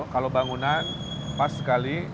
kalau bangunan pas sekali